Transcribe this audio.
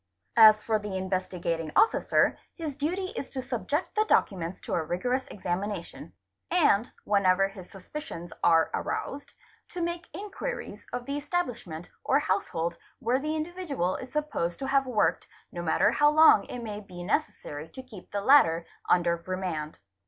As for the Investigating Officer, his duty is to subject the documents to a rigorous examination, and, whenever his suspicions are aroused, to make inquiries of the establishment or household where the | individual is supposed to have worked, no matter how long it may be necessary to keep the latter under remand.